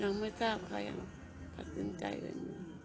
ยังไม่ทราบเค้ายังแฟนตินใจกัน